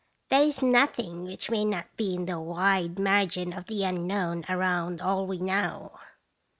" There is nothing which may not be in the wide mar gin of the unknown around all we know."